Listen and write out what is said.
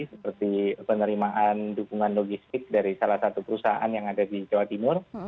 seperti penerimaan dukungan logistik dari salah satu perusahaan yang ada di jawa timur